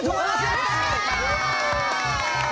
やった！